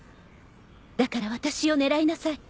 だから私を狙いなさい。